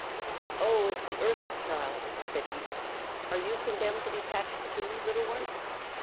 "Oh, it's the Earth Child," said he. "Are you condemned to be patched, too, little one?"